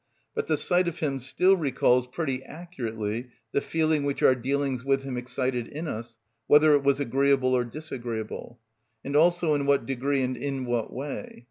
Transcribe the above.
But the sight of him still recalls pretty accurately the feeling which our dealings with him excited in us, whether it was agreeable or disagreeable, and also in what degree and in what way.